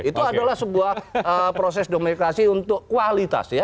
itu adalah sebuah proses demokrasi untuk kualitas ya